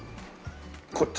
こっち？